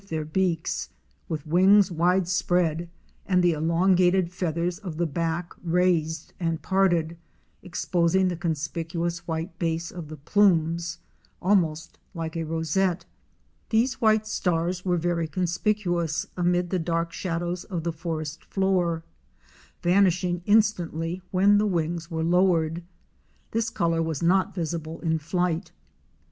303 their beaks, with wings wide spread and the elongated feathers of the back raised and parted, exposing the conspicuous white base of the plumes, almost like a rosette. These white stars were very conspicuous amid the dark shadows of the forest floor, vanishing instantly when the wings were lowered. This color was not visible in flight.